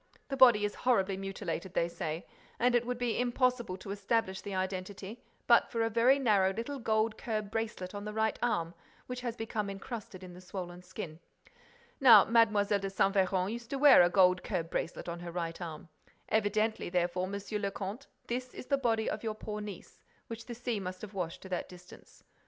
—The body is horribly mutilated, they say, and it would be impossible to establish the identity, but for a very narrow little gold curb bracelet on the right arm which has become encrusted in the swollen skin. Now Mlle. de Saint Véran used to wear a gold curb bracelet on her right arm. Evidently, therefore, Monsieur le Comte, this is the body of your poor niece, which the sea must have washed to that distance.